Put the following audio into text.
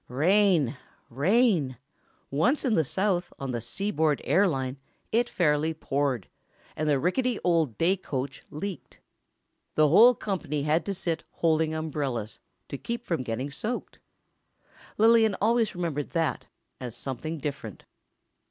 Rain! Rain! Once in the South, on the Seaboard Air Line, it fairly poured, and the rickety old day coach leaked. The whole company had to sit holding umbrellas, to keep from getting soaked. Lillian always remembered that, as something different.